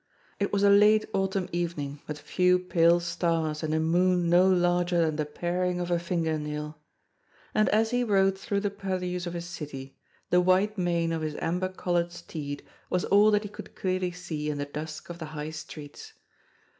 It was a late autumn evening with few pale stars and a moon no larger than the paring of a finger nail. And as he rode through the purlieus of his city, the white mane of his amber coloured steed was all that he could clearly see in the dusk of the high streets.